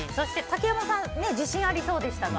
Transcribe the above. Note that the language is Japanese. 竹山さんは自信ありそうでしたが。